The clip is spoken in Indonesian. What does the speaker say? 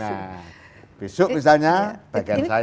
nah besok misalnya bagian saya